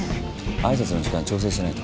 挨拶の時間調整しないと。